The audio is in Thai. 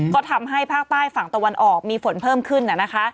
ก็ทำให้ภาคใต้ฝั่งตะวันออกมีฝนเพิ่มขึ้นนะคะ